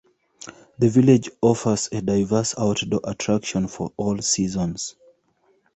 The village offers a diverse outdoor attractions for all seasons.